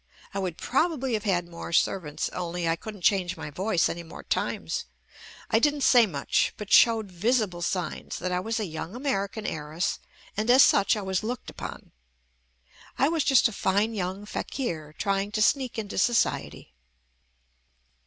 I would probably have had more servants only I couldn't change my voice any more times. I didn't say much, but showed visible signs that I was a young American heiress and as such I was looked upon. I was just a fine young fakir trying to sneak into society.